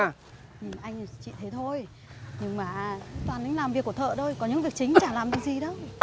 nhìn anh thì chị thế thôi nhưng mà toàn là những làm việc của thợ thôi có những việc chính chả làm được gì đâu